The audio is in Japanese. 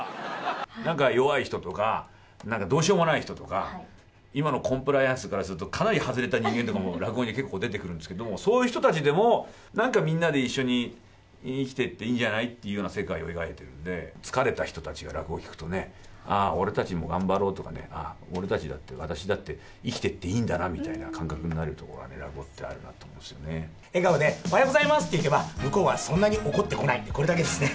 なんか弱い人とか、なんかどうしようもない人とか、今のコンプライアンスからすると、かなり外れた人間っていうのも落語で結構出てくるんですけれども、そういう人たちでも、なんかみんなで一緒に生きていっていいんじゃないっていうような世界を描いているんで、疲れた人たちが聞くとね、ああ、俺たちも頑張ろうとかね、俺たちだって、私だって、生きていっていいんだなみたいな感覚になる落語ってあると思うん笑顔でおはようございますっていけば、向こうはそんなに怒っていない、これだけですね。